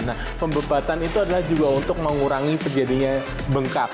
nah pembebasan itu adalah juga untuk mengurangi terjadinya bengkak